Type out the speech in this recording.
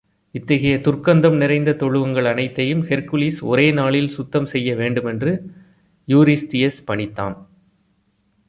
இத்தகைய துர்க்கந்தம் நிறைந்த தொழுவங்கள் அனைத்தையும் ஹெர்க்குலிஸ் ஒரே நாளில் சுத்தம் செய்ய வேண்டுமென்று யூரிஸ்தியஸ் பணித்தான்.